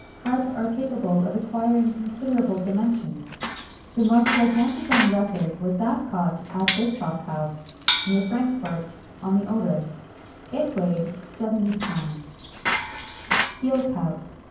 Carp are capable of acquiring considerable dimensions. The most gigantic on record was that caught at Bisshofs hause, near Frankfort on the Oder; it weighed 70 lbs.[XXI 140] EEL POUT.